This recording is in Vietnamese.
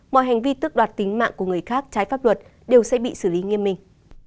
mọi hành vi tức đoạt tính mạng của người khác trái pháp luật đều sẽ bị xử lý nghiêm minh